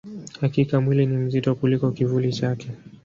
Hakika, mwili ni mzito kuliko kivuli chake.